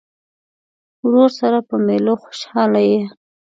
ورور سره په مېلو خوشحاله یې.